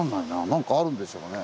何かあるんでしょうね。